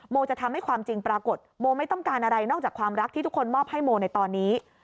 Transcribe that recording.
จะทำให้ความจริงปรากฏโมไม่ต้องการอะไรนอกจากความรักที่ทุกคนมอบให้โมในตอนนี้